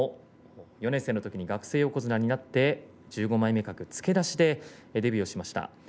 ４年生のときに学生横綱になって１５枚目格付け出しでデビューしました。